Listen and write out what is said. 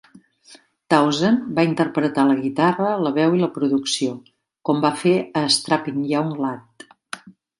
Townsend va interpretar la guitarra, la veu i la producció, com va fer a Strapping Young Lad.